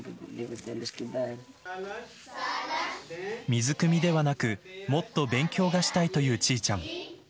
水くみではなくもっと勉強がしたいというチーチャン。